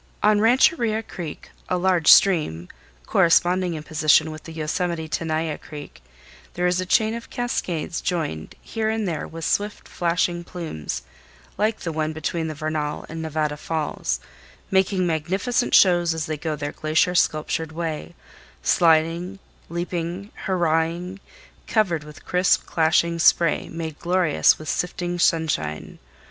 On Rancheria Creek, a large stream, corresponding in position with the Yosemite Tenaya Creek, there is a chain of cascades joined here and there with swift flashing plumes like the one between the Vernal and Nevada Falls, making magnificent shows as they go their glacier sculptured way, sliding, leaping, hurrahing, covered with crisp clashing spray made glorious with sifting sunshine.